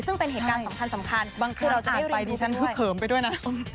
ซึ่งเป็นเหตุการณ์สำคัญบางครั้นอ่านไปดิฉันฮึวเขิมกันด้วยนะ